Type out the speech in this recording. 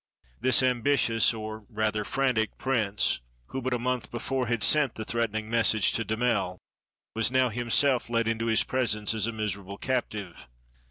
This am bitious, or rather frantic, prince, who but a month before had sent the threatening message to Damel, was now himself led into his presence as a miserable captive.